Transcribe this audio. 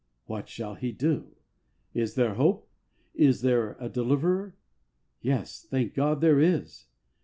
What shall he do? Is there hope ? Is there a deliverer? Yes, thank God, there is.